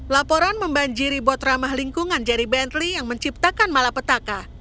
laporan membanjiri bot ramah lingkungan jerry bentley yang menciptakan malapetaka